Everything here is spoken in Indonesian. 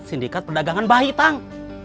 sindikat perdagangan bahitang